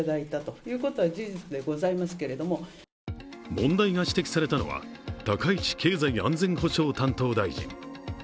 問題が指摘されたのは高市経済安全保障担当大臣。